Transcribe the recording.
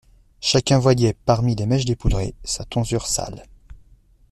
Chacun voyait, parmi les mèches dépoudrées, sa tonsure sale.